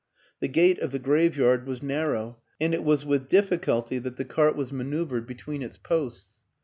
The gate of the graveyard was narrow and it was with difficulty that the cart was ma WILLIAM AN ENGLISHMAN 179 neuvered between its posts.